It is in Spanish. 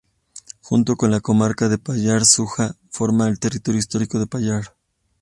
Junto con la comarca de Pallars Jussá forma el territorio histórico de Pallars.